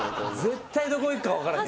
絶対どこ行くか分からへん。